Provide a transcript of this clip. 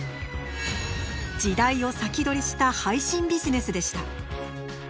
時代を先取りした「配信ビジネス」でした。